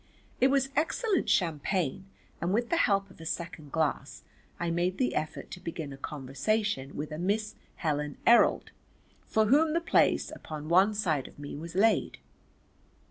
It was excellent champagne and with the help of a second glass I made the effort to begin a conversation with a Miss Helen Errold for whom the place upon one side of me was laid.